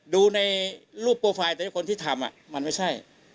ดูในรูปโปรไฟล์แต่คนที่ทำมันไม่ใช่